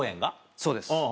そうです。